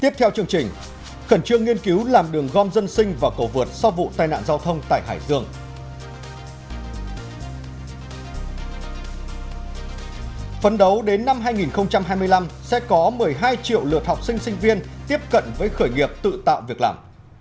phấn đấu đến năm hai nghìn hai mươi năm sẽ có một mươi hai triệu lượt học sinh sinh viên tiếp cận với khởi nghiệp tự tạo việc làm